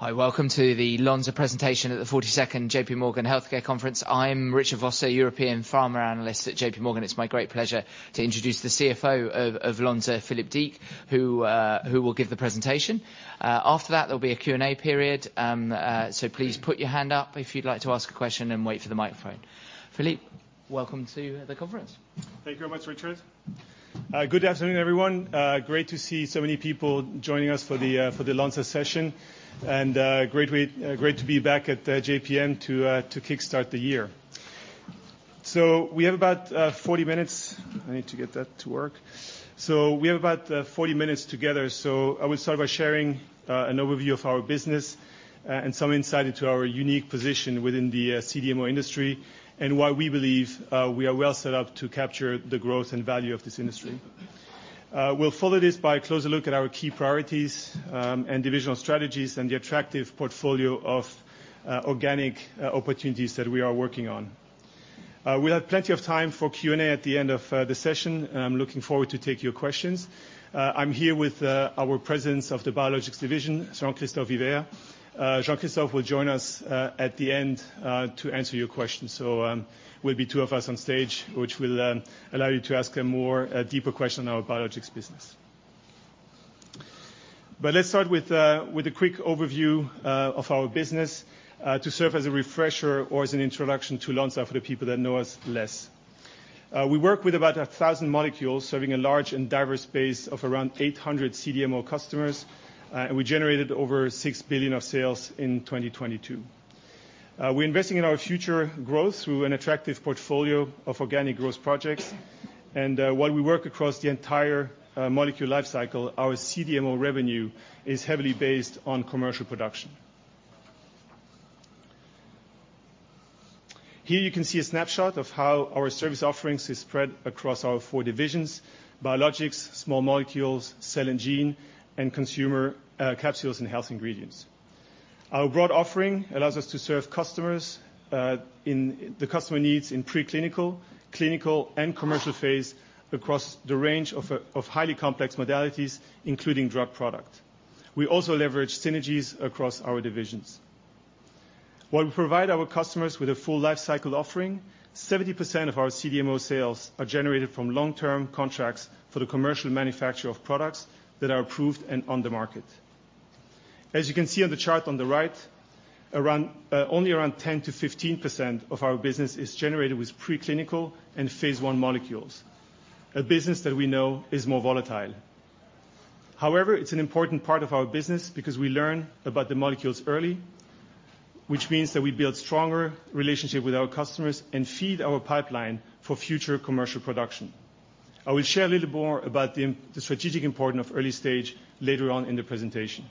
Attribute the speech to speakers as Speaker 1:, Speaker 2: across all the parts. Speaker 1: Hi, welcome to the Lonza presentation at the 42nd JPMorgan Healthcare Conference. I'm Richard Vosser, European Pharma analyst at JPMorgan. It's my great pleasure to introduce the CFO of Lonza, Philippe Deecke, who will give the presentation. After that, there'll be a Q&A period. So please put your hand up if you'd like to ask a question, and wait for the microphone. Philippe, welcome to the conference.
Speaker 2: Thank you very much, Richard. Good afternoon, everyone. Great to see so many people joining us for the Lonza session, and great to be back at JPM to kickstart the year. So we have about 40 minutes. I need to get that to work. So we have about 40 minutes together, so I will start by sharing an overview of our business and some insight into our unique position within the CDMO industry, and why we believe we are well set up to capture the growth and value of this industry. We'll follow this by a closer look at our key priorities and divisional strategies, and the attractive portfolio of organic opportunities that we are working on. We'll have plenty of time for Q&A at the end of the session, and I'm looking forward to take your questions. I'm here with our President of the Biologics Division, Jean-Christophe Hyvert. Jean-Christophe will join us at the end to answer your questions. So, will be two of us on stage, which will allow you to ask a more deeper question on our Biologics business. But let's start with a quick overview of our business to serve as a refresher or as an introduction to Lonza for the people that know us less. We work with about 1,000 molecules, serving a large and diverse base of around 800 CDMO customers, and we generated over 6 billion of sales in 2022. We're investing in our future growth through an attractive portfolio of organic growth projects, and, while we work across the entire, molecule life cycle, our CDMO revenue is heavily based on commercial production. Here you can see a snapshot of how our service offerings is spread across our four divisions: Biologics, Small Molecules, Cell & Gene, and Consumer, Capsules & Health Ingredients. Our broad offering allows us to serve customers, in the customer needs in preclinical, clinical, and commercial phase across the range of highly complex modalities, including drug product. We also leverage synergies across our divisions. While we provide our customers with a full lifecycle offering, 70% of our CDMO sales are generated from long-term contracts for the commercial manufacture of products that are approved and on the market. As you can see on the chart on the right, around only around 10%-15% of our business is generated with preclinical and phase I molecules, a business that we know is more volatile. However, it's an important part of our business because we learn about the molecules early, which means that we build stronger relationship with our customers and feed our pipeline for future commercial production. I will share a little more about the strategic importance of early stage later on in the presentation.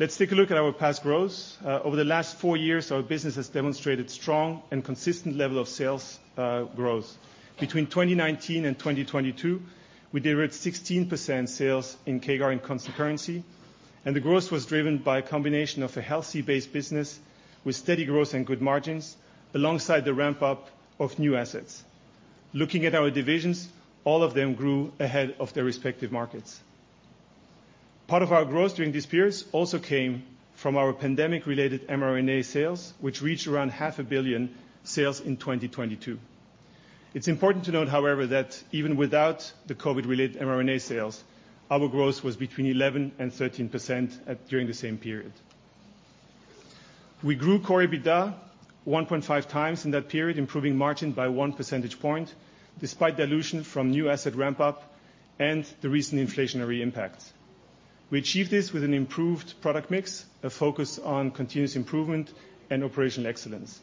Speaker 2: Let's take a look at our past growth. Over the last four years, our business has demonstrated strong and consistent level of sales growth. Between 2019 and 2022, we delivered 16% sales CAGR and constant currency, and the growth was driven by a combination of a healthy base business with steady growth and good margins, alongside the ramp-up of new assets. Looking at our divisions, all of them grew ahead of their respective markets. Part of our growth during this period also came from our pandemic-related mRNA sales, which reached around 500 million sales in 2022. It's important to note, however, that even without the COVID-related mRNA sales, our growth was between 11% and 13% at constant currency during the same period. We grew Core EBITDA 1.5x in that period, improving margin by 1 percentage point, despite dilution from new asset ramp-up and the recent inflationary impacts. We achieved this with an improved product mix, a focus on continuous improvement, and operational excellence.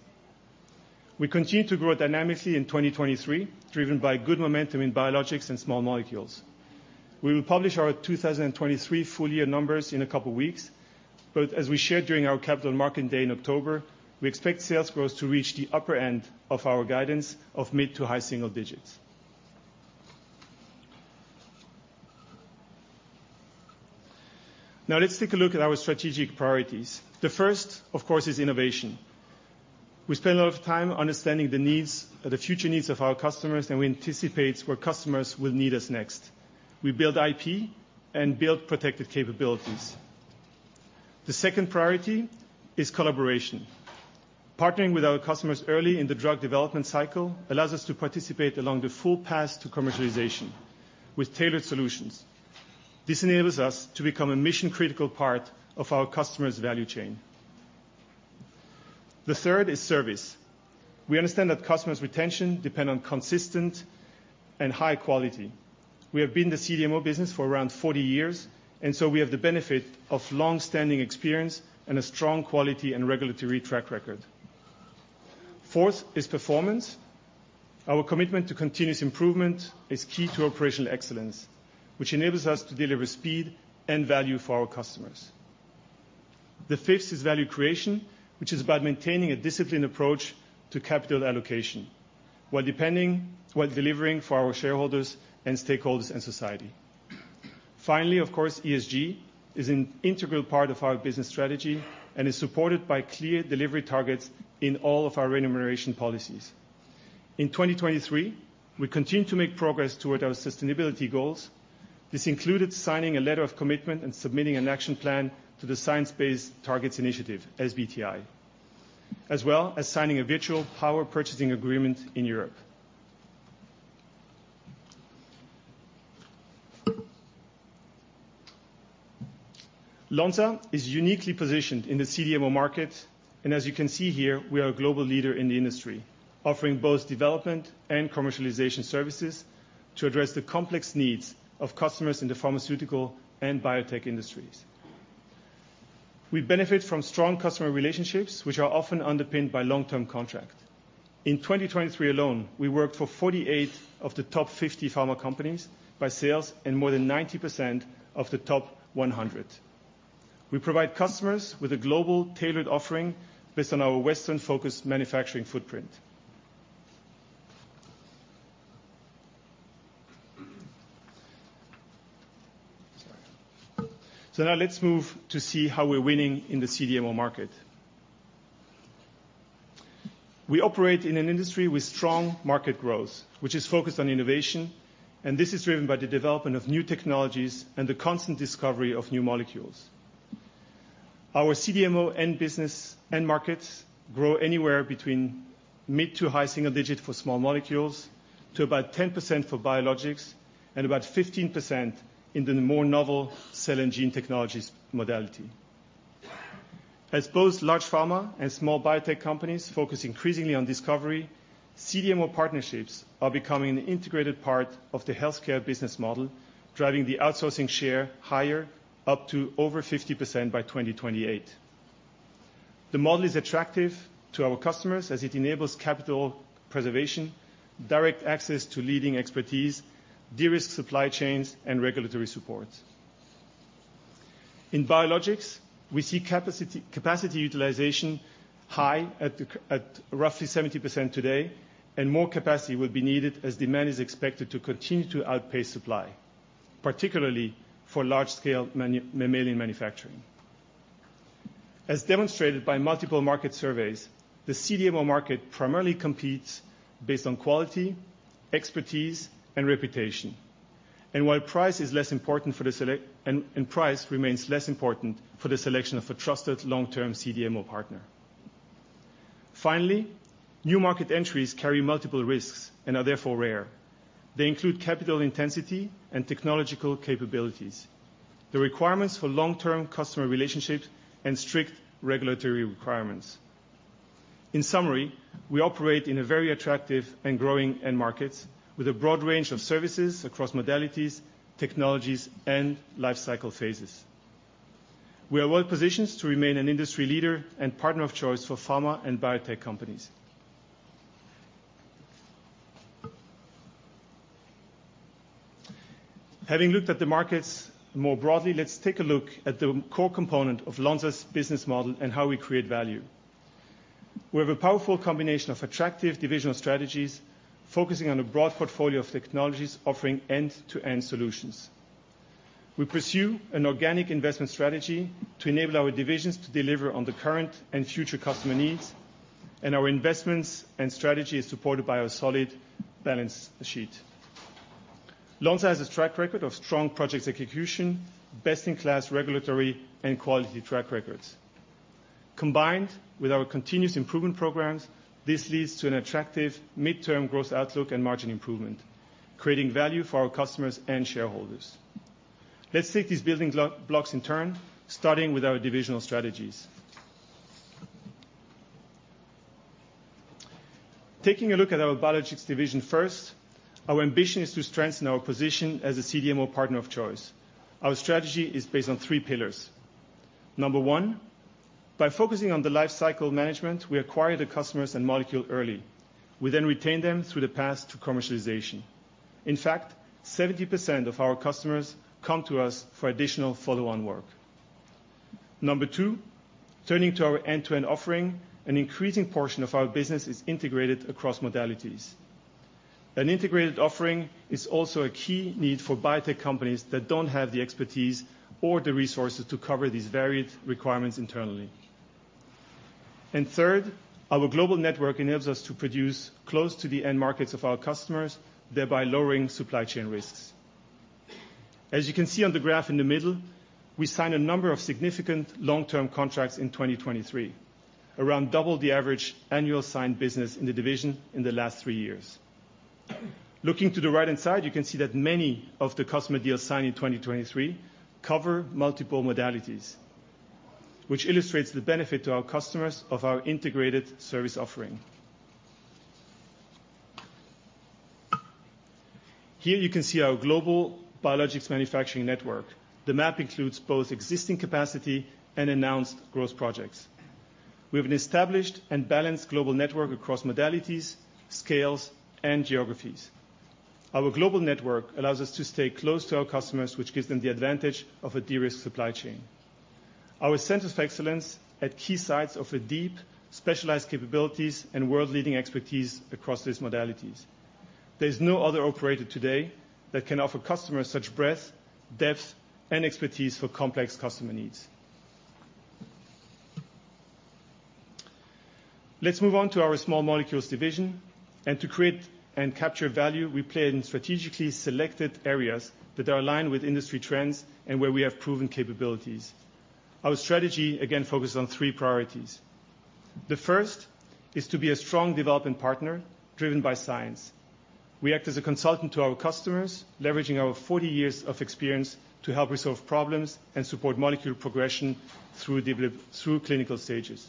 Speaker 2: We continued to grow dynamically in 2023, driven by good momentum in Biologics and Small Molecules. We will publish our 2023 full year numbers in a couple weeks, but as we shared during our Capital Markets Day in October, we expect sales growth to reach the upper end of our guidance of mid to high single digits. Now, let's take a look at our strategic priorities. The first, of course, is innovation. We spend a lot of time understanding the needs, the future needs of our customers, and we anticipate where customers will need us next. We build IP and build protected capabilities. The second priority is collaboration. Partnering with our customers early in the drug development cycle allows us to participate along the full path to commercialization with tailored solutions. This enables us to become a mission-critical part of our customers' value chain. The third is service. We understand that customers' retention depend on consistent and high quality. We have been in the CDMO business for around 40 years, and so we have the benefit of long-standing experience and a strong quality and regulatory track record. Fourth is performance. Our commitment to continuous improvement is key to operational excellence, which enables us to deliver speed and value for our customers. The fifth is value creation, which is about maintaining a disciplined approach to capital allocation, while delivering for our shareholders and stakeholders and society. Finally, of course, ESG is an integral part of our business strategy and is supported by clear delivery targets in all of our remuneration policies. In 2023, we continued to make progress toward our sustainability goals. This included signing a letter of commitment and submitting an action plan to the Science Based Targets initiative, SBTi, as well as signing a virtual power purchasing agreement in Europe. Lonza is uniquely positioned in the CDMO market, and as you can see here, we are a global leader in the industry, offering both development and commercialization services to address the complex needs of customers in the pharmaceutical and biotech industries. We benefit from strong customer relationships, which are often underpinned by long-term contract. In 2023 alone, we worked for 48 of the top 50 pharma companies by sales, and more than 90% of the top 100. We provide customers with a global tailored offering based on our Western-focused manufacturing footprint. Now let's move to see how we're winning in the CDMO market. We operate in an industry with strong market growth, which is focused on innovation, and this is driven by the development of new technologies and the constant discovery of new molecules. Our CDMO end-business end markets grow anywhere between mid- to high-single-digit for Small Molecules, to about 10% for Biologics and about 15% in the more novel Cell & Gene technologies modality. As both large pharma and small biotech companies focus increasingly on discovery, CDMO partnerships are becoming an integrated part of the healthcare business model, driving the outsourcing share higher, up to over 50% by 2028. The model is attractive to our customers as it enables capital preservation, direct access to leading expertise, de-risk supply chains, and regulatory support. In Biologics, we see capacity utilization high at roughly 70% today, and more capacity will be needed as demand is expected to continue to outpace supply, particularly for large-scale mammalian manufacturing. As demonstrated by multiple market surveys, the CDMO market primarily competes based on quality, expertise, and reputation. While price remains less important for the selection of a trusted long-term CDMO partner. Finally, new market entries carry multiple risks and are therefore rare. They include capital intensity and technological capabilities, the requirements for long-term customer relationships, and strict regulatory requirements. In summary, we operate in a very attractive and growing end markets with a broad range of services across modalities, technologies, and lifecycle phases. We are well positioned to remain an industry leader and partner of choice for pharma and biotech companies. Having looked at the markets more broadly, let's take a look at the core component of Lonza's business model and how we create value. We have a powerful combination of attractive divisional strategies, focusing on a broad portfolio of technologies offering end-to-end solutions. We pursue an organic investment strategy to enable our divisions to deliver on the current and future customer needs, and our investments and strategy is supported by a solid balance sheet. Lonza has a track record of strong projects execution, best-in-class regulatory and quality track records. Combined with our continuous improvement programs, this leads to an attractive mid-term growth outlook and margin improvement, creating value for our customers and shareholders. Let's take these building blocks in turn, starting with our divisional strategies. Taking a look at our Biologics division first, our ambition is to strengthen our position as a CDMO partner of choice. Our strategy is based on three pillars: Number one, by focusing on the life cycle management, we acquire the customers and molecule early. We then retain them through the path to commercialization. In fact, 70% of our customers come to us for additional follow-on work. Number two, turning to our end-to-end offering, an increasing portion of our business is integrated across modalities. An integrated offering is also a key need for biotech companies that don't have the expertise or the resources to cover these varied requirements internally. And third, our global network enables us to produce close to the end markets of our customers, thereby lowering supply chain risks. As you can see on the graph in the middle, we signed a number of significant long-term contracts in 2023, around double the average annual signed business in the division in the last three years. Looking to the right-hand side, you can see that many of the customer deals signed in 2023 cover multiple modalities, which illustrates the benefit to our customers of our integrated service offering. Here you can see our global Biologics manufacturing network. The map includes both existing capacity and announced growth projects. We have an established and balanced global network across modalities, scales, and geographies. Our global network allows us to stay close to our customers, which gives them the advantage of a de-risked supply chain. Our centers of excellence at key sites offer deep, specialized capabilities and world-leading expertise across these modalities. There is no other operator today that can offer customers such breadth, depth, and expertise for complex customer needs. Let's move on to our Small Molecules division, and to create and capture value, we play in strategically selected areas that are aligned with industry trends and where we have proven capabilities. Our strategy, again, focuses on three priorities. The first is to be a strong development partner driven by science. We act as a consultant to our customers, leveraging our 40 years of experience to help resolve problems and support molecule progression through clinical stages.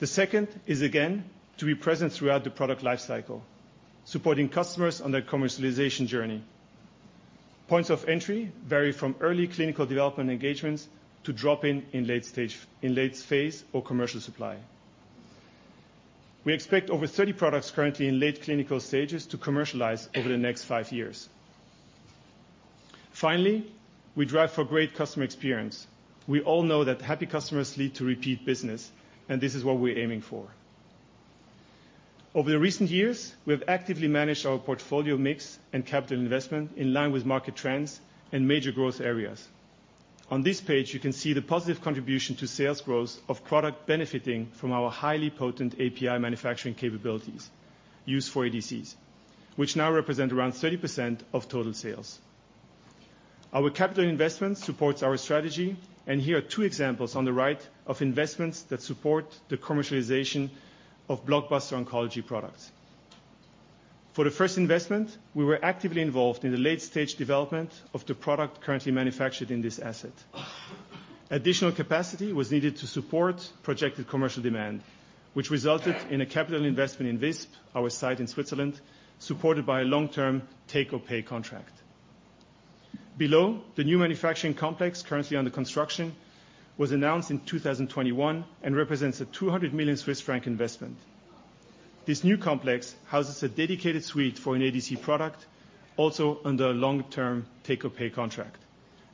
Speaker 2: The second is, again, to be present throughout the product lifecycle, supporting customers on their commercialization journey. Points of entry vary from early clinical development engagements to drop-in in late stage, in late phase or commercial supply. We expect over 30 products currently in late clinical stages to commercialize over the next five years. Finally, we drive for great customer experience. We all know that happy customers lead to repeat business, and this is what we're aiming for. Over the recent years, we have actively managed our portfolio mix and capital investment in line with market trends and major growth areas. On this page, you can see the positive contribution to sales growth of product benefiting from our highly potent API manufacturing capabilities used for ADCs, which now represent around 30% of total sales. Our capital investment supports our strategy, and here are two examples on the right of investments that support the commercialization of blockbuster oncology products. For the first investment, we were actively involved in the late-stage development of the product currently manufactured in this asset. Additional capacity was needed to support projected commercial demand, which resulted in a capital investment in Visp, our site in Switzerland, supported by a long-term take-or-pay contract. Below, the new manufacturing complex, currently under construction, was announced in 2021 and represents a 200 million Swiss franc investment. This new complex houses a dedicated suite for an ADC product, also under a long-term take-or-pay contract,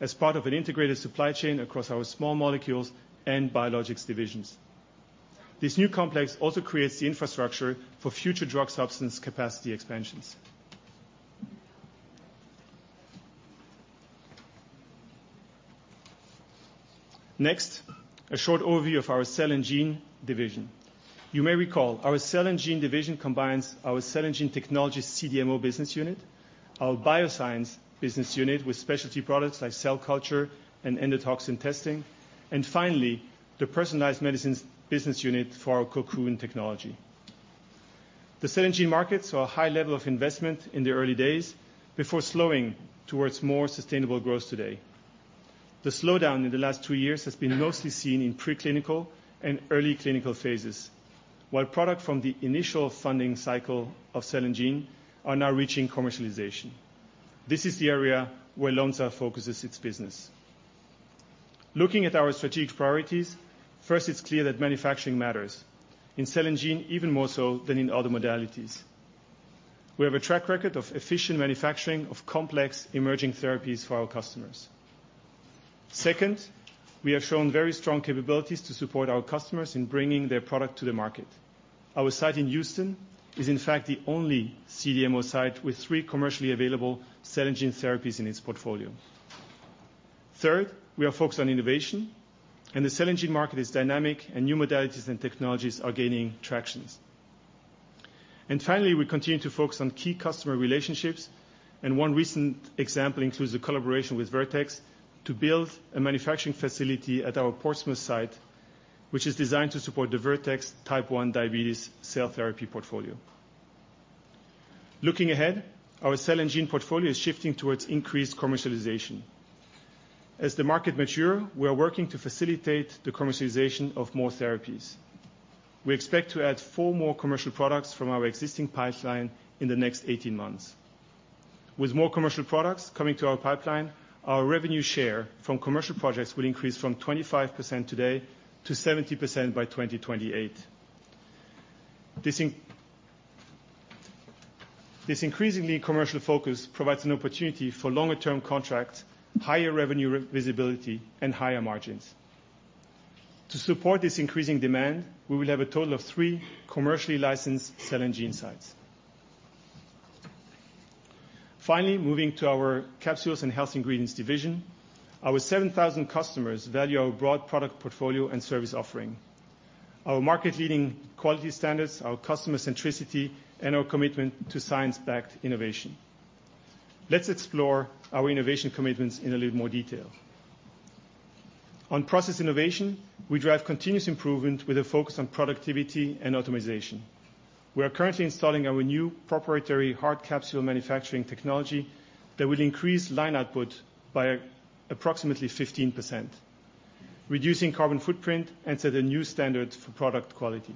Speaker 2: as part of an integrated supply chain across our Small Molecules and Biologics divisions. This new complex also creates the infrastructure for future drug substance capacity expansions. Next, a short overview of our Cell & Gene division. You may recall, our Cell & Gene division combines our Cell & Gene technology's CDMO business unit, our Bioscience business unit with specialty products like cell culture and endotoxin testing, and finally, the Personalized Medicines business unit for our Cocoon technology. The Cell & Gene markets saw a high level of investment in the early days before slowing towards more sustainable growth today. The slowdown in the last two years has been mostly seen in preclinical and early clinical phases, while product from the initial funding cycle of Cell & Gene are now reaching commercialization. This is the area where Lonza focuses its business. Looking at our strategic priorities, first, it's clear that manufacturing matters, in Cell & Gene even more so than in other modalities. We have a track record of efficient manufacturing of complex emerging therapies for our customers. Second, we have shown very strong capabilities to support our customers in bringing their product to the market. Our site in Houston is, in fact, the only CDMO site with three commercially available Cell & Gene therapies in its portfolio. Third, we are focused on innovation, and the Cell & Gene market is dynamic, and new modalities and technologies are gaining traction. Finally, we continue to focus on key customer relationships, and one recent example includes a collaboration with Vertex to build a manufacturing facility at our Portsmouth site, which is designed to support the Vertex type 1 diabetes cell therapy portfolio. Looking ahead, our Cell & Gene portfolio is shifting towards increased commercialization. As the market matures, we are working to facilitate the commercialization of more therapies. We expect to add four more commercial products from our existing pipeline in the next 18 months. With more commercial products coming to our pipeline, our revenue share from commercial projects will increase from 25% today to 70% by 2028. This increasingly commercial focus provides an opportunity for longer-term contracts, higher revenue visibility, and higher margins. To support this increasing demand, we will have a total of three commercially licensed Cell & Gene sites. Finally, moving to our Capsules & Health Ingredients division. Our 7,000 customers value our broad product portfolio and service offering, our market-leading quality standards, our customer centricity, and our commitment to science-backed innovation. Let's explore our innovation commitments in a little more detail. On process innovation, we drive continuous improvement with a focus on productivity and optimization. We are currently installing our new proprietary hard capsule manufacturing technology that will increase line output by approximately 15%, reducing carbon footprint, and set a new standard for product quality.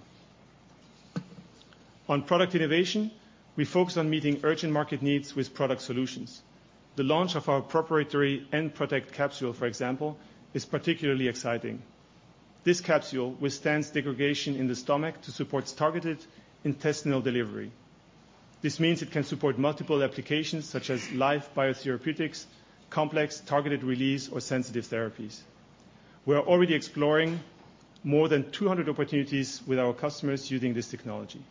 Speaker 2: On product innovation, we focus on meeting urgent market needs with product solutions. The launch of our proprietary Enprotect capsule, for example, is particularly exciting. This capsule withstands degradation in the stomach to support targeted intestinal delivery. This means it can support multiple applications, such as live biotherapeutics, complex targeted release, or sensitive therapies. We are already exploring more than 200 opportunities with our customers using this technology.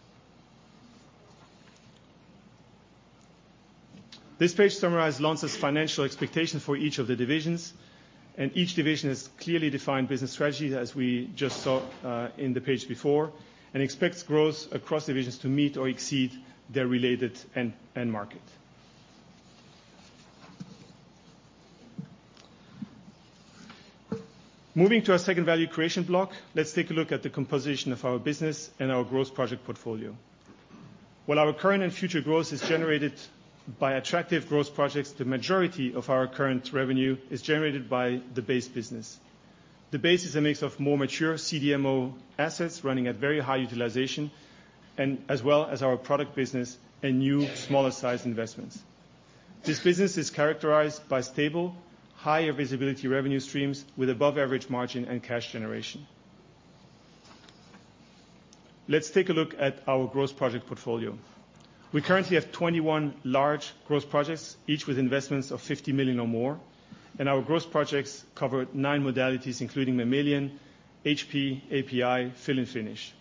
Speaker 2: This page summarizes Lonza's financial expectations for each of the divisions, and each division has clearly defined business strategies, as we just saw, in the page before, and expects growth across divisions to meet or exceed their related end market. Moving to our second value creation block, let's take a look at the composition of our business and our growth project portfolio. While our current and future growth is generated by attractive growth projects, the majority of our current revenue is generated by the base business. The base is a mix of more mature CDMO assets, running at very high utilization, and as well as our product business and new smaller size investments. This business is characterized by stable, higher visibility revenue streams with above average margin and cash generation. Let's take a look at our growth project portfolio. We currently have 21 large growth projects, each with investments of 50 million or more, and our growth projects cover nine modalities, including mammalian, HPAPI, fill and finish.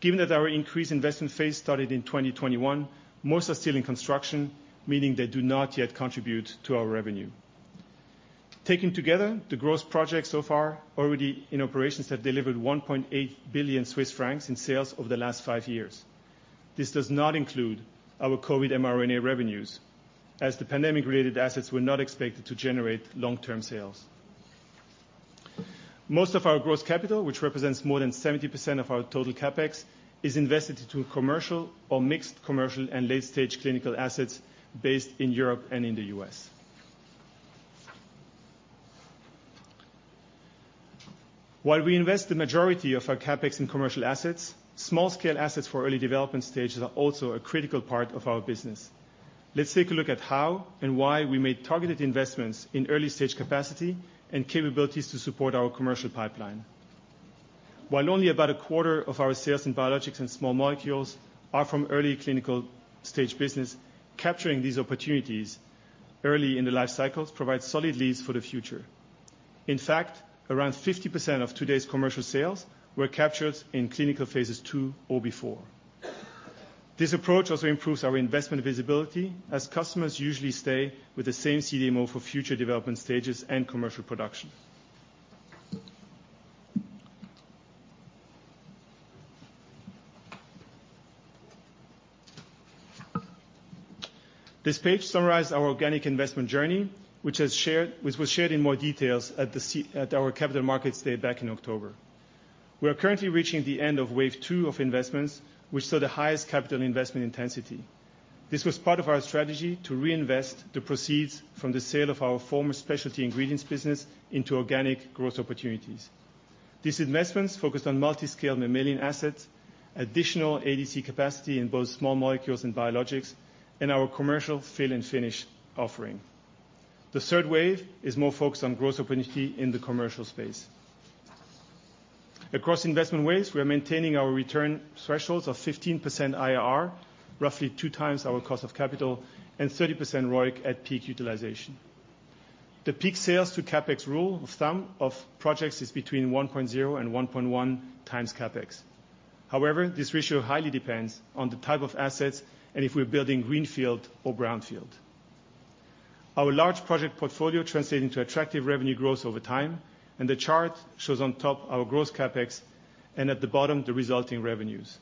Speaker 2: Given that our increased investment phase started in 2021, most are still in construction, meaning they do not yet contribute to our revenue. Taken together, the growth projects so far already in operations have delivered 1.8 billion Swiss francs in sales over the last five years. This does not include our COVID mRNA revenues, as the pandemic-related assets were not expected to generate long-term sales. Most of our growth capital, which represents more than 70% of our total CapEx, is invested into commercial or mixed commercial and late-stage clinical assets based in Europe and in the U.S. While we invest the majority of our CapEx in commercial assets, small-scale assets for early development stages are also a critical part of our business. Let's take a look at how and why we made targeted investments in early-stage capacity and capabilities to support our commercial pipeline. While only about a quarter of our sales in Biologics and Small Molecules are from early clinical stage business, capturing these opportunities early in the life cycles provides solid leads for the future. In fact, around 50% of today's commercial sales were captured in clinical phase II or before. This approach also improves our investment visibility, as customers usually stay with the same CDMO for future development stages and commercial production. This page summarizes our organic investment journey, which was shared in more details at our Capital Markets Day back in October. We are currently reaching the end of wave two of investments, which saw the highest capital investment intensity. This was part of our strategy to reinvest the proceeds from the sale of our former Specialty Ingredients business into organic growth opportunities. These investments focused on multi-scale mammalian assets, additional ADC capacity in both Small Molecules and Biologics, and our commercial fill and finish offering. The third wave is more focused on growth opportunity in the commercial space. Across investment waves, we are maintaining our return thresholds of 15% IRR, roughly 2x our cost of capital, and 30% ROIC at peak utilization. The peak sales to CapEx rule of thumb of projects is between 1.0x and 1.1x CapEx. However, this ratio highly depends on the type of assets and if we're building greenfield or brownfield. Our large project portfolio translating to attractive revenue growth over time, and the chart shows on top our growth CapEx, and at the bottom, the resulting revenues.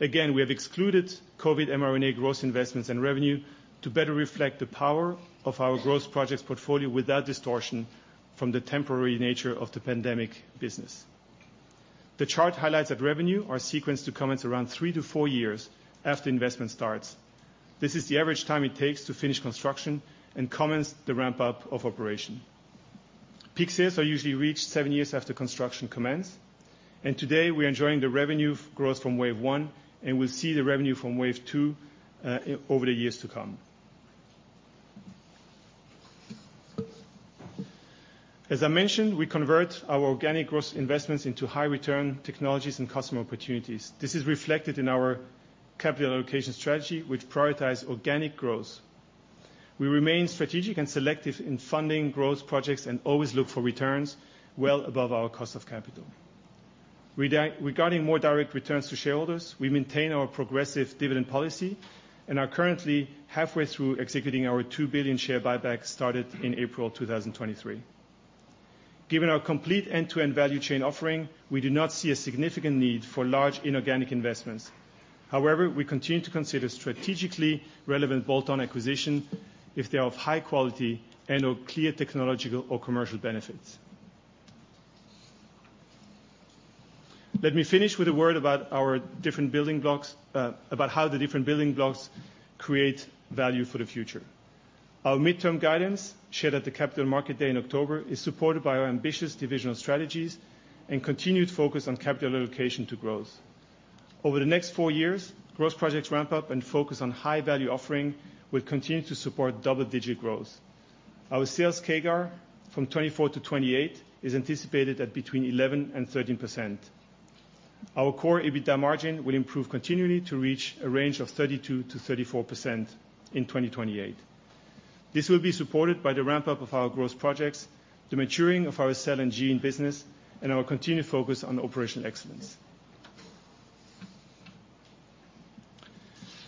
Speaker 2: Again, we have excluded COVID mRNA growth investments and revenue to better reflect the power of our growth projects portfolio without distortion from the temporary nature of the pandemic business. The chart highlights that revenue are sequenced to commence around three to four years after investment starts. This is the average time it takes to finish construction and commence the ramp-up of operation. Peak sales are usually reached seven years after construction commence, and today we are enjoying the revenue growth from wave one, and we'll see the revenue from wave two, over the years to come. As I mentioned, we convert our organic growth investments into high-return technologies and customer opportunities. This is reflected in our capital allocation strategy, which prioritizes organic growth. We remain strategic and selective in funding growth projects and always look for returns well above our cost of capital. Regarding more direct returns to shareholders, we maintain our progressive dividend policy and are currently halfway through executing our 2 billion share buyback, started in April 2023. Given our complete end-to-end value chain offering, we do not see a significant need for large inorganic investments. However, we continue to consider strategically relevant bolt-on acquisition if they are of high quality and/or clear technological or commercial benefits. Let me finish with a word about our different building blocks..., about how the different building blocks create value for the future. Our midterm guidance, shared at the Capital Markets Day in October, is supported by our ambitious divisional strategies and continued focus on capital allocation to growth. Over the next four years, growth projects ramp-up and focus on high-value offering will continue to support double-digit growth. Our sales CAGR from 2024 to 2028 is anticipated at between 11% and 13%. Our core EBITDA margin will improve continually to reach a range of 32%-34% in 2028. This will be supported by the ramp-up of our growth projects, the maturing of our Cell & Gene business, and our continued focus on operational excellence.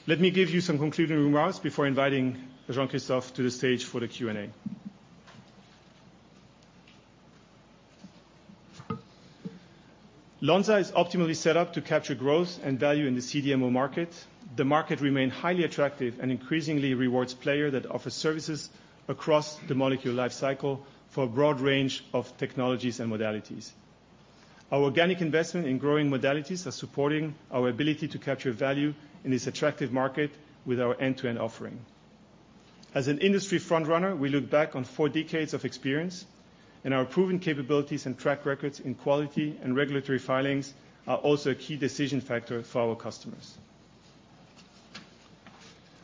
Speaker 2: Let me give you some concluding remarks before inviting Jean-Christophe to the stage for the Q&A. Lonza is optimally set up to capture growth and value in the CDMO market. The market remain highly attractive and increasingly rewards player that offers services across the molecule life cycle for a broad range of technologies and modalities. Our organic investment in growing modalities are supporting our ability to capture value in this attractive market with our end-to-end offering. As an industry frontrunner, we look back on four decades of experience, and our proven capabilities and track records in quality and regulatory filings are also a key decision factor for our customers.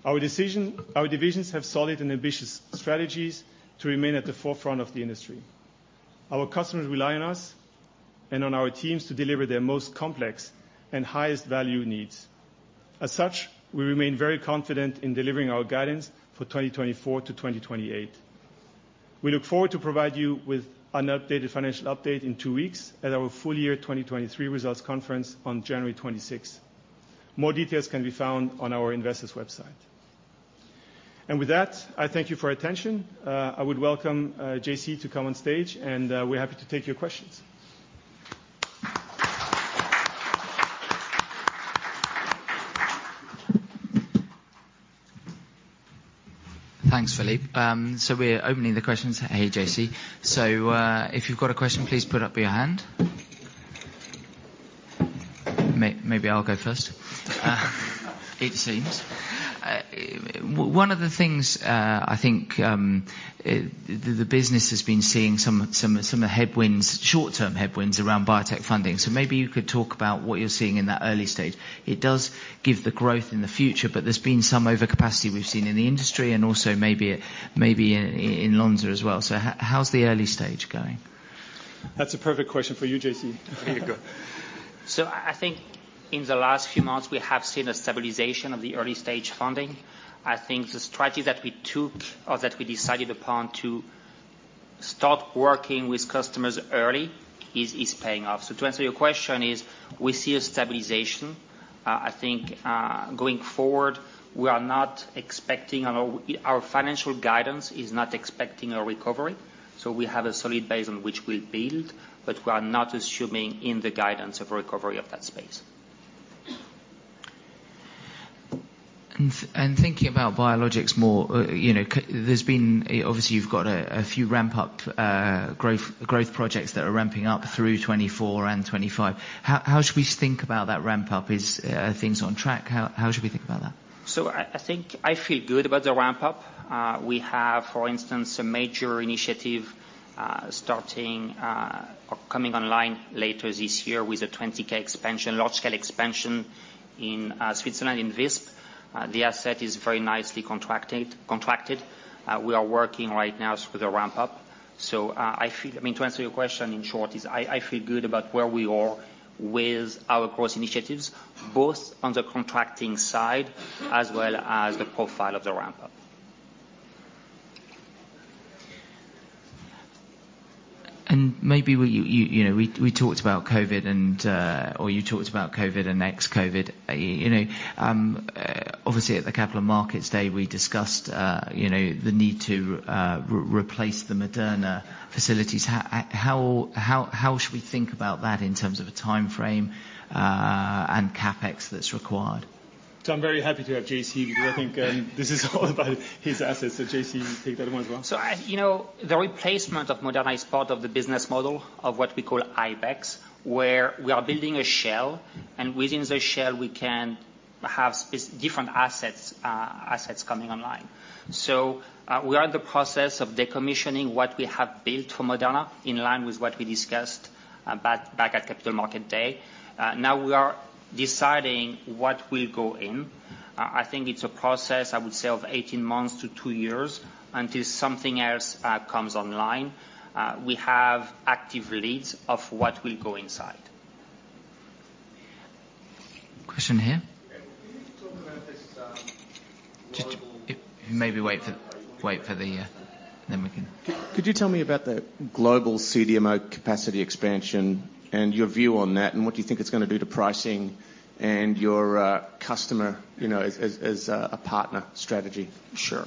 Speaker 2: Our divisions have solid and ambitious strategies to remain at the forefront of the industry. Our customers rely on us and on our teams to deliver their most complex and highest value needs. As such, we remain very confident in delivering our guidance for 2024 to 2028. We look forward to provide you with an updated financial update in two weeks at our full year 2023 results conference on January 26th. More details can be found on our investors' website. And with that, I thank you for your attention. I would welcome JC to come on stage, and we're happy to take your questions.
Speaker 1: Thanks, Philippe. So we're opening the questions. Hey, JC So, if you've got a question, please put up your hand. Maybe I'll go first, it seems. One of the things, I think, the business has been seeing some headwinds, short-term headwinds around biotech funding. So maybe you could talk about what you're seeing in that early stage. It does give the growth in the future, but there's been some overcapacity we've seen in the industry and also maybe in Lonza as well. So how's the early stage going?
Speaker 2: That's a perfect question for you, JC. Here you go.
Speaker 3: So I think in the last few months, we have seen a stabilization of the early-stage funding. I think the strategy that we took or that we decided upon to start working with customers early is paying off. So to answer your question, we see a stabilization. I think going forward, we are not expecting a recovery. Our financial guidance is not expecting a recovery, so we have a solid base on which we'll build, but we are not assuming in the guidance of recovery of that space.
Speaker 1: Thinking about Biologics more, you know, there's been obviously, you've got a few ramp-up growth projects that are ramping up through 2024 and 2025. How should we think about that ramp-up? Are things on track? How should we think about that?
Speaker 3: So I, I think I feel good about the ramp-up. We have, for instance, a major initiative, starting, or coming online later this year with a 20,000 expansion, large-scale expansion in, Switzerland, in Visp. The asset is very nicely contracted, contracted. We are working right now with the ramp-up. So, I feel... I mean, to answer your question, in short, is I, I feel good about where we are with our growth initiatives, both on the contracting side as well as the profile of the ramp-up.
Speaker 1: Maybe what you know, we talked about COVID and or you talked about COVID and ex-COVID. You know, obviously, at the Capital Markets Day, we discussed you know, the need to replace the Moderna facilities. How should we think about that in terms of a timeframe and CapEx that's required?
Speaker 2: So I'm very happy to have JC, because I think this is all about his assets. So, JC, you take that one as well.
Speaker 3: So, you know, the replacement of Moderna is part of the business model of what we call Ibex, where we are building a shell, and within the shell, we can have different assets, assets coming online. So, we are in the process of decommissioning what we have built for Moderna, in line with what we discussed back at Capital Markets Day. Now we are deciding what will go in. I think it's a process, I would say, of 18 months to two years, until something else comes online. We have active leads of what will go inside.
Speaker 1: Question here.
Speaker 4: Can you talk about this, global-
Speaker 1: Just... Maybe wait for the, then we can-
Speaker 4: Could you tell me about the global CDMO capacity expansion and your view on that, and what do you think it's gonna do to pricing and your customer, you know, as a partner strategy?
Speaker 3: Sure.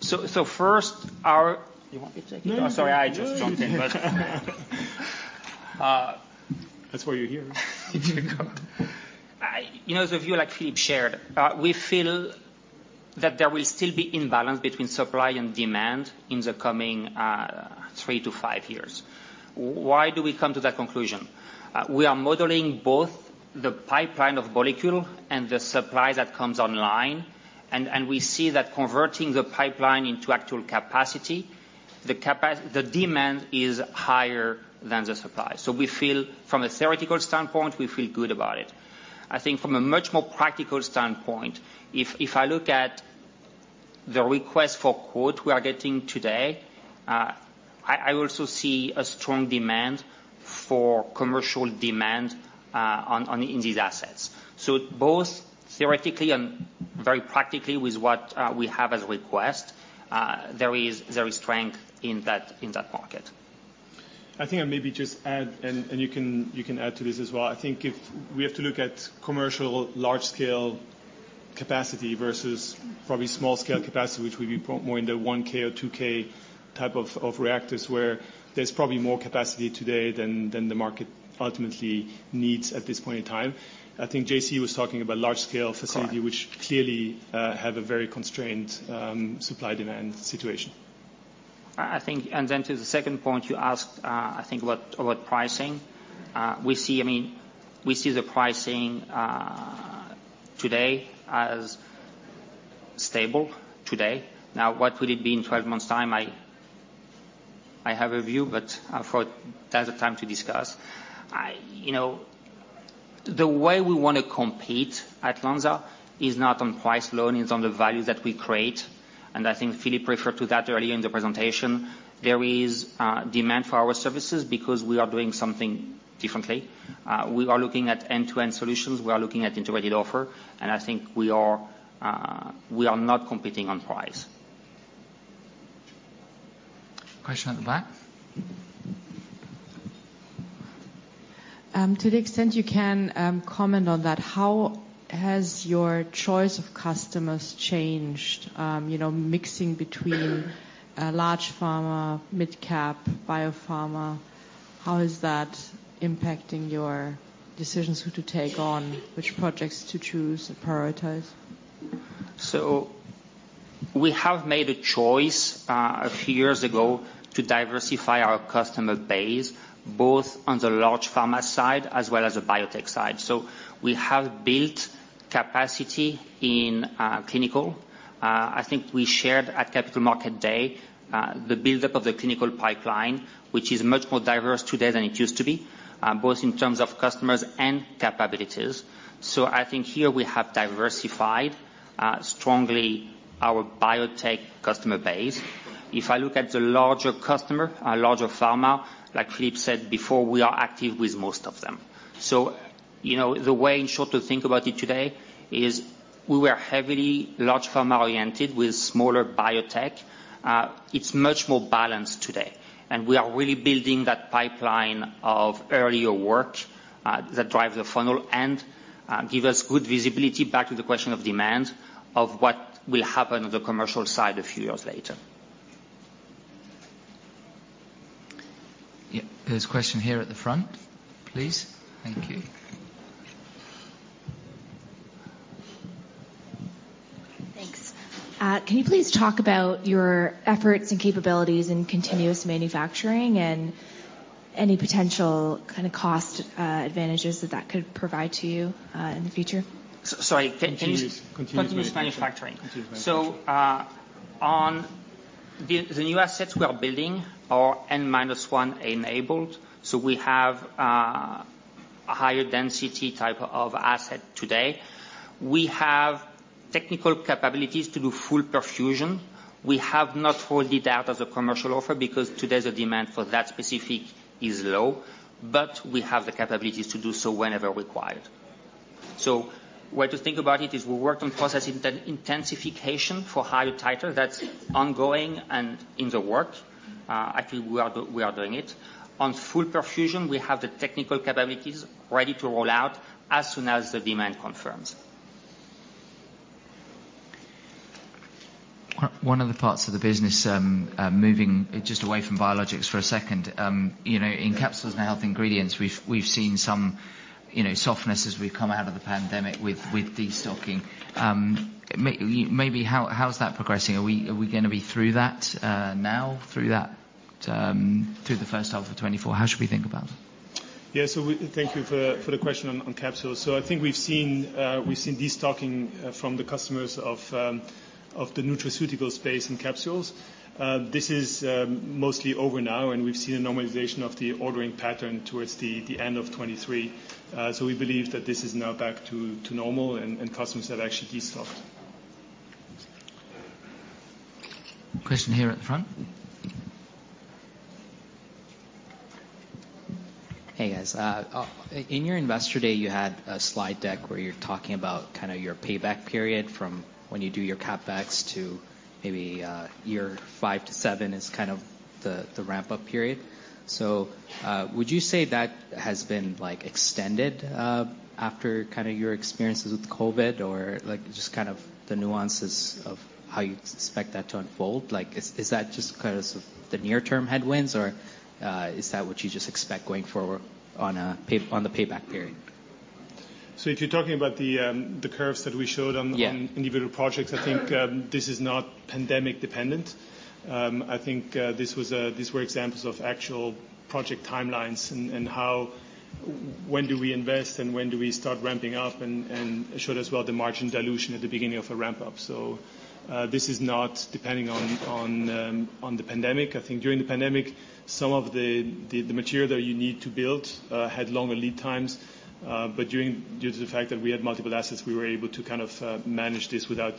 Speaker 3: So first, our... You want me to take it?
Speaker 2: No.
Speaker 3: Oh, sorry, I just jumped in.
Speaker 2: That's why you're here. You know-
Speaker 3: You know, the view, like Philippe shared, we feel that there will still be imbalance between supply and demand in the coming three to five years. Why do we come to that conclusion? We are modeling both the pipeline of molecule and the supply that comes online, and we see that converting the pipeline into actual capacity the demand is higher than the supply. So we feel, from a theoretical standpoint, we feel good about it. I think from a much more practical standpoint, if I look at the request for quote we are getting today, I also see a strong demand for commercial demand on in these assets. So both theoretically and very practically with what we have as request, there is strength in that market.
Speaker 2: I think I may just add, and you can add to this as well. I think if we have to look at commercial large-scale capacity versus probably small-scale capacity, which would be probably more in the 1,000L or 2,000L type of reactors, where there's probably more capacity today than the market ultimately needs at this point in time. I think JC was talking about large-scale facility, which clearly have a very constrained supply-demand situation.
Speaker 3: I think. And then to the second point you asked, I think about pricing. We see, I mean, we see the pricing today as stable today. Now, what would it be in 12 months' time? I have a view, but that's the time to discuss. You know, the way we wanna compete at Lonza is not on price alone, it's on the value that we create, and I think Philippe referred to that earlier in the presentation. There is demand for our services because we are doing something differently. We are looking at end-to-end solutions. We are looking at integrated offer, and I think we are, we are not competing on price.
Speaker 1: Question at the back?
Speaker 5: To the extent you can, comment on that, how has your choice of customers changed, you know, mixing between, large pharma, midcap, biopharma? How is that impacting your decisions, who to take on, which projects to choose and prioritize?
Speaker 3: So we have made a choice, a few years ago to diversify our customer base, both on the large pharma side as well as the biotech side. So we have built capacity in, clinical. I think we shared at Capital Markets Day, the buildup of the clinical pipeline, which is much more diverse today than it used to be, both in terms of customers and capabilities. So I think here we have diversified, strongly our biotech customer base. If I look at the larger customer, a larger pharma, like Philippe said before, we are active with most of them. So, you know, the way in short to think about it today is we were heavily large pharma-oriented with smaller biotech. It's much more balanced today, and we are really building that pipeline of earlier work that drive the funnel and give us good visibility back to the question of demand of what will happen on the commercial side a few years later.
Speaker 1: Yeah. There's a question here at the front, please. Thank you.
Speaker 6: Thanks. Can you please talk about your efforts and capabilities in continuous manufacturing and any potential kind of cost advantages that that could provide to you in the future?
Speaker 3: Sorry, can you-
Speaker 2: Continuous manufacturing.
Speaker 3: Continuous manufacturing.
Speaker 2: Continuous manufacturing.
Speaker 3: So, on the new assets we are building are N-1 enabled, so we have a higher density type of asset today. We have technical capabilities to do full perfusion. We have not rolled it out as a commercial offer because today the demand for that specific is low, but we have the capabilities to do so whenever required. So way to think about it is we worked on process intensification for higher titer. That's ongoing and in the work. Actually, we are doing it. On full perfusion, we have the technical capabilities ready to roll out as soon as the demand confirms.
Speaker 1: One of the parts of the business, moving just away from Biologics for a second, you know, in Capsules & Health Ingredients, we've seen some, you know, softness as we've come out of the pandemic with destocking. Maybe how is that progressing? Are we gonna be through that now through the first half of 2024? How should we think about that?
Speaker 2: Yeah. Thank you for the question on capsules. So I think we've seen destocking from the customers of the nutraceutical space in capsules. This is mostly over now, and we've seen a normalization of the ordering pattern towards the end of 2023. So we believe that this is now back to normal, and customers have actually destocked.
Speaker 1: Question here at the front.
Speaker 7: Hey, guys. In your Investor Day, you had a slide deck where you're talking about kind of your payback period from when you do your CapEx to maybe year five to seven is kind of the ramp-up period. So, would you say that has been, like, extended after kind of your experiences with COVID, or like just kind of the nuances of how you expect that to unfold? Like, is that just kind of the near-term headwinds, or is that what you just expect going forward on the payback period?
Speaker 2: So if you're talking about the curves that we showed on.
Speaker 7: Yeah
Speaker 2: On individual projects, I think, this is not pandemic-dependent. I think, this was, these were examples of actual project timelines and how when do we invest and when do we start ramping up, and showed as well the margin dilution at the beginning of a ramp-up. This is not depending on, on the pandemic. I think during the pandemic, some of the material that you need to build had longer lead times. But due to the fact that we had multiple assets, we were able to kind of manage this without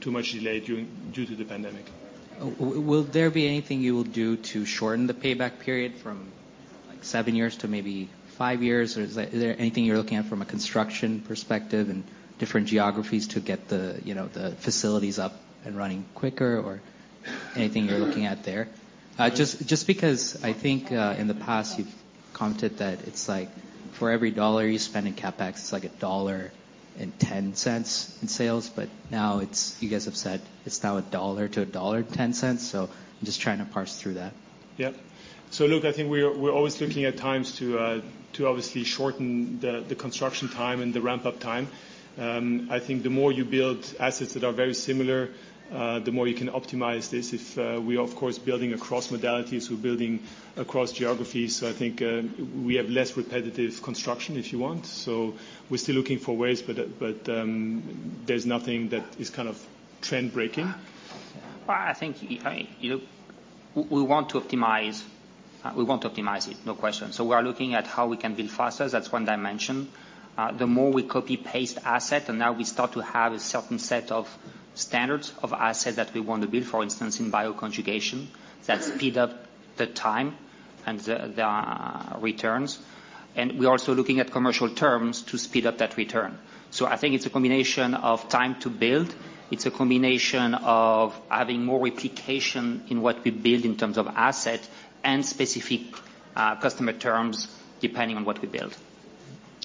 Speaker 2: too much delay due to the pandemic.
Speaker 7: Will there be anything you will do to shorten the payback period from like seven years to maybe five years? Or is there, is there anything you're looking at from a construction perspective and different geographies to get the, you know, the facilities up and running quicker, or anything you're looking at there? Just, just because I think, in the past, you've commented that it's like for every dollar you spend in CapEx, it's like a dollar and ten cents in sales, but now it's, you guys have said it's now a dollar to a dollar and ten cents. So I'm just trying to parse through that.
Speaker 2: Yeah. So look, I think we're always looking at times to obviously shorten the construction time and the ramp-up time. I think the more you build assets that are very similar, the more you can optimize this. If we are, of course, building across modalities, we're building across geographies, so I think we have less repetitive construction, if you want. So we're still looking for ways, but there's nothing that is kind of trend breaking.
Speaker 3: Well, I think, You know, we want to optimize, we want to optimize it, no question. So we are looking at how we can build faster. That's one dimension. The more we copy-paste asset, and now we start to have a certain set of standards of asset that we want to build, for instance, in bioconjugation, that speed up the time and the returns. And we're also looking at commercial terms to speed up that return. So I think it's a combination of time to build, it's a combination of having more replication in what we build in terms of asset and specific, customer terms, depending on what we build.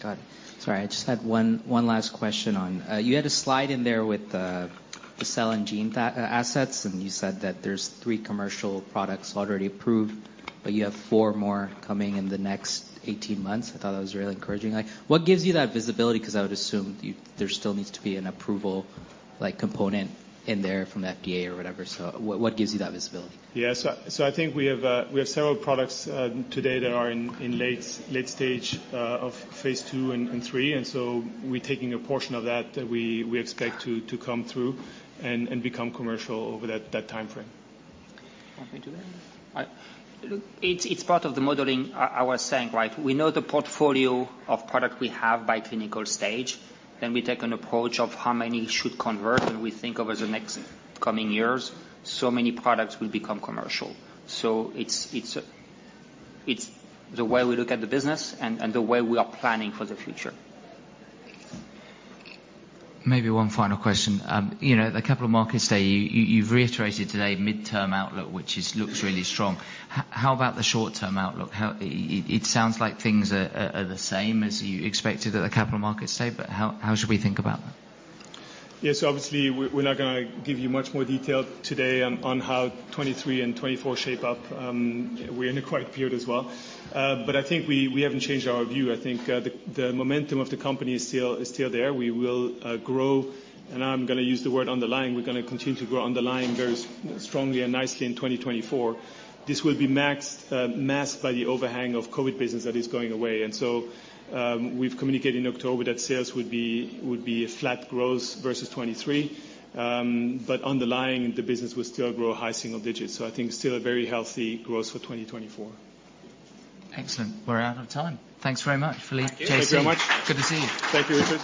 Speaker 7: Got it. Sorry, I just had one last question on... you had a slide in there with the Cell & Gene assets, and you said that there's three commercial products already approved, but you have four more coming in the next 18 months. I thought that was really encouraging. Like, what gives you that visibility? Because I would assume there still needs to be an approval, like, component in there from the FDA or whatever. So what gives you that visibility?
Speaker 2: Yeah. So, so I think we have, we have several products, today that are in, in late, late stage, of phase two and, and three, and so we're taking a portion of that, that we, we expect to, to come through and, and become commercial over that, that time frame. Anything to add?
Speaker 3: Look, it's part of the modeling. I was saying, right? We know the portfolio of product we have by clinical stage, then we take an approach of how many should convert, and we think over the next coming years, so many products will become commercial. So it's the way we look at the business and the way we are planning for the future.
Speaker 1: Maybe one final question. You know, the Capital Markets Day, you've reiterated today midterm outlook, which looks really strong. How about the short-term outlook? It sounds like things are the same as you expected at the Capital Markets Day, but how should we think about that?
Speaker 2: Yes, obviously, we're, we're not gonna give you much more detail today on, on how 2023 and 2024 shape up. We're in a quiet period as well. But I think we, we haven't changed our view. I think, the, the momentum of the company is still, is still there. We will, grow, and I'm gonna use the word underlying. We're gonna continue to grow underlying very strongly and nicely in 2024. This will be masked by the overhang of COVID business that is going away. And so, we've communicated in October that sales would be, would be a flat growth versus 2023. But underlying, the business will still grow high single digits. So I think still a very healthy growth for 2024.
Speaker 1: Excellent. We're out of time. Thanks very much, Philippe, JC.
Speaker 2: Thank you very much.
Speaker 1: Good to see you.
Speaker 2: Thank you, Richard.